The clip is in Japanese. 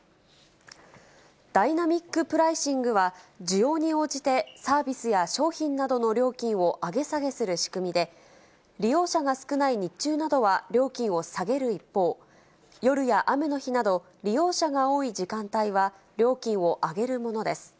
ダイナミックプライシングは、需要に応じてサービスや商品などの料金を上げ下げする仕組みで、利用者が少ない日中などは料金を下げる一方、夜や雨の日など、利用者が多い時間帯は料金を上げるものです。